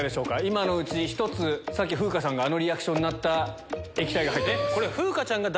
今のうち１つさっき風花さんがあのリアクションになった液体。